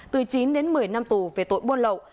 từ chín đến một mươi năm tù về tội buôn lậu